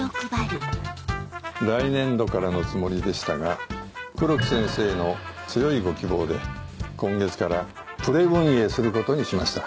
来年度からのつもりでしたが黒木先生の強いご希望で今月からプレ運営することにしました。